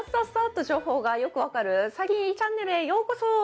サリーチャンネルへようこそ！